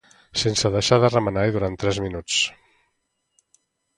sense deixar de remenar i durant uns tres minuts